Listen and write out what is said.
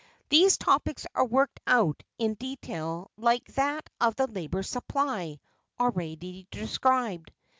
These topics are worked out in detail like that of the labor supply, already described.